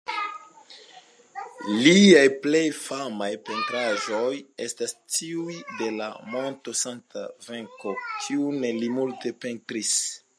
Liaj plej famaj pentraĵoj estas tiuj de la monto Sankta-Venko kiun li multe pentris.